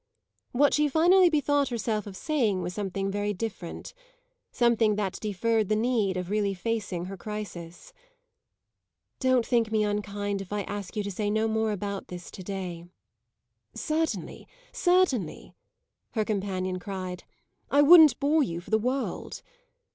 What she finally bethought herself of saying was something very different something that deferred the need of really facing her crisis. "Don't think me unkind if I ask you to say no more about this to day." "Certainly, certainly!" her companion cried. "I wouldn't bore you for the world."